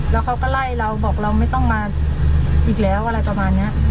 แล้วเขาก็ไล่เราบอกเราไม่ต้องมาอีกแล้วอะไรประมาณนี้